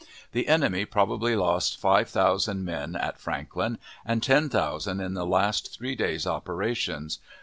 The enemy probably lost five thousand men at Franklin, and ten thousand in the last three days' operations.